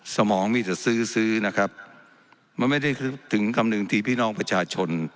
สมองมีแต่ซื้อซื้อนะครับมันไม่ได้ถึงคำนึงที่พี่น้องประชาชน